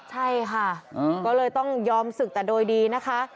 ใช่ค่ะก็เลยต้องยอมศึกแต่โดยดีนะคะ